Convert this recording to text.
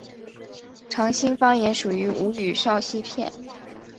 长兴方言属于吴语苕溪片。